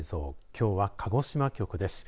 きょうは鹿児島局です。